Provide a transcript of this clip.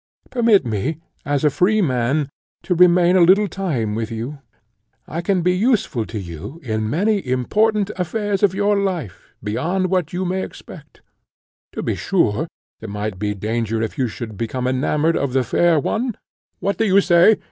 Permit me, as a free man, to remain a little time with you; I can be useful to you in many important affairs of your life beyond what you may expect. To be sure there might be danger if you should become enamoured of the fair one, " "What do you say?"